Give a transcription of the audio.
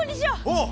おう。